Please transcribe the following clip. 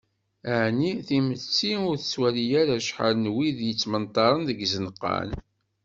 Ɛni timetti ur tettwali ara acḥal n wid i yettmenṭaren deg yizenqan,?